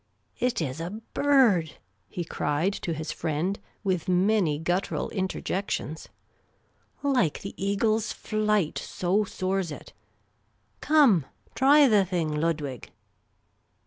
" It is a bird !" he cried to his friend, with many guttural interjections. " Like the eagle's flight, so soars it. Come, try the thing, Ludwig